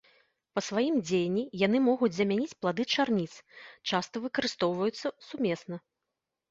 Па сваім дзеянні яны могуць замяніць плады чарніц, часта выкарыстоўваюцца сумесна.